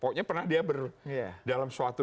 pokoknya pernah dia dalam suatu